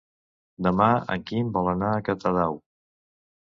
Demà en Quim vol anar a Catadau.